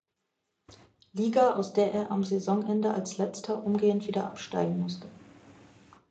Liga aus der er am Saisonende als Letzter umgehend wieder absteigen musste.